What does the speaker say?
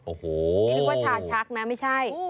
โอ้โหนี่นึกว่าชาชักนะไม่ใช่